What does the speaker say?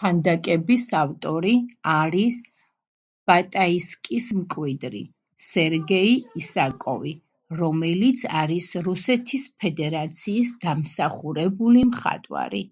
ქანდაკების ავტორი არის ბატაისკის მკვიდრი სერგეი ისაკოვი, რომელიც არის რუსეთის ფედერაციის დამსახურებული მხატვარი.